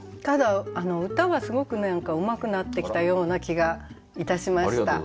ただ歌はすごく何かうまくなってきたような気がいたしました。